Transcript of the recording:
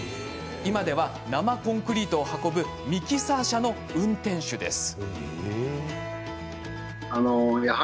今では、生コンクリートを運ぶミキサー車の運転手です。